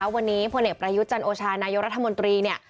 วันนี้พลเหตุประยุทธ์จันทร์โอชานายรัฐมนตรี